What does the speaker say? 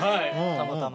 ・たまたま。